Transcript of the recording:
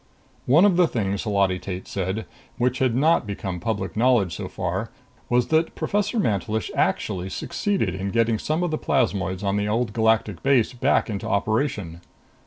One of the things, Holati Tate said, which had not become public knowledge so far was that Professor Mantelish actually succeeded in getting some of the plasmoids on the Old Galactic base back into operation.